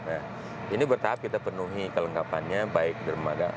nah ini bertahap kita penuhi kelengkapannya baik di remada